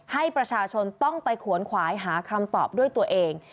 ให้ประชาชนต้องไปขวนขวายหาคำตอบด้วยตัวเอง